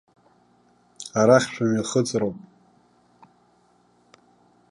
Арахь шәымҩахыҵроуп!